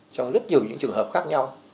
trong rất nhiều những trường hợp khác nhau